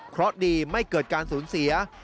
เพราะดีไม่เกิดการสูญเสีย